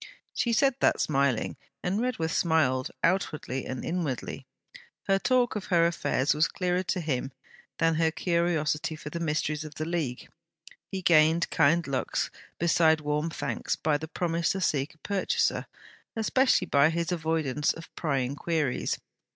She said that smiling; and Redworth smiled, outwardly and inwardly. Her talk of her affairs was clearer to him than her curiosity for the mysteries of the League. He gained kind looks besides warm thanks by the promise to seek a purchaser; especially by his avoidance of prying queries.